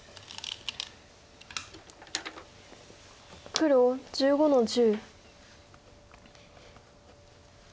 黒１５の十。